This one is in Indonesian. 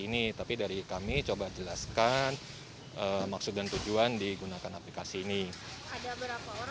ini tapi dari kami coba jelaskan maksud dan tujuan digunakan aplikasi ini ada berapa orang